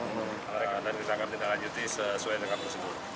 dan kita akan meneruskan sesuai dengan prosedur